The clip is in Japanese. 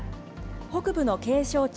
北部の景勝地